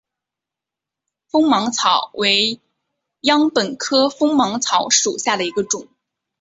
锋芒草为禾本科锋芒草属下的一个种。